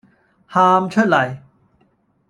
喊出黎